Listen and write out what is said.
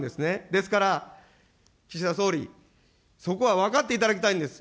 ですから、岸田総理、そこは分かっていただきたいんです。